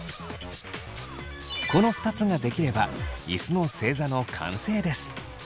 この２つができれば椅子の正座の完成です。